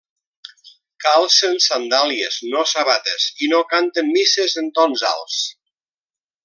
Calcen sandàlies, no sabates, i no canten misses en tons alts.